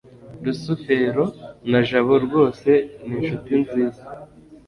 rusufero na jabo rwose ni inshuti nziza